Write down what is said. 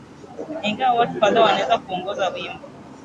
ingawa watu kadhaa wanaweza kuongoza wimbo